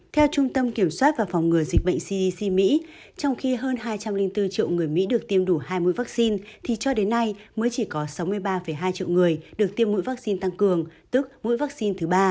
theo trung tâm kiểm soát và phòng ngừa dịch bệnh cdc mỹ trong khi hơn hai trăm linh bốn triệu người mỹ được tiêm đủ hai mũi vắc xin thì cho đến nay mới chỉ có sáu mươi ba hai triệu người được tiêm mũi vắc xin tăng cường tức mũi vắc xin thứ ba